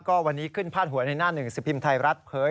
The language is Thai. ก็วันนี้ขึ้นพาดหัวในหน้าหนึ่งสิบพิมพ์ไทยรัฐเผย